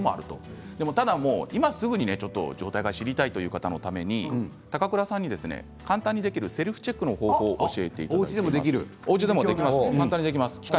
ただ今すぐに状態が知りたいという方のために、高倉さんに簡単にできるセルフチェックの方法を教えていただきました。